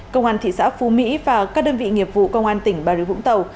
công an thị xã phú mỹ và các đơn vị nghiệp vụ công an tỉnh bà rịa vũng tàu